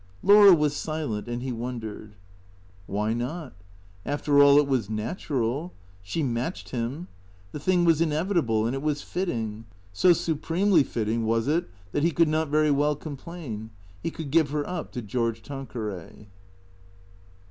" Laura was silent, and he wondered. Why not? After all it was natural. She matched him. The thing was inevitable, and it was fitting. So supremely fitting was it that he could not very well complain. He could give her up to George Tanqueray.